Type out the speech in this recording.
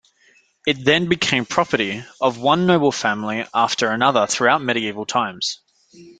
It then became property of one noble family after another throughout medieval times.